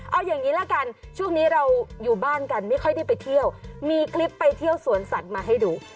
เอาอย่างนี้ละกันช่วงนี้เราอยู่บ้านกันไม่ค่อยได้ไปเที่ยวมีคลิปไปเที่ยวสวนสัตว์มาให้ดู